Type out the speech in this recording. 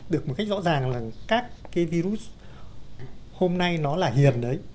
được một cách rõ ràng là các cái virus hôm nay nó là hiền đấy